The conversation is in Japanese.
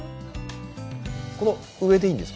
この上でいいんですか？